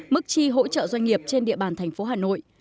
mức chi hỗ trợ doanh nghiệp trên địa bàn thành phố hà nội